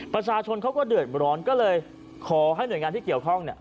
ประชาชนเขาก็เดือดร้อนก็เลยขอให้หน่วยงานที่เกี่ยวข้องเนี่ย